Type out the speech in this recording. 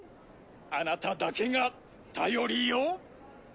あなただけが頼りよ